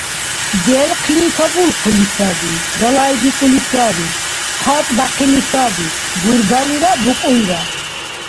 Делхъли кабулхъули саби, далайбикӀули саби. Хъатбяхъили саби гурдалира букӀуйра.